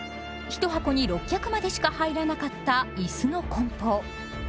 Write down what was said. １箱に６脚までしか入らなかった椅子の梱包。